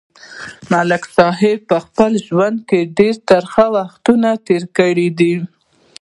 ملک صاحب په خپل ژوند کې ډېر ترخه وختونه تېر کړي دي.